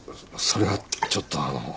それがちょっとあのう。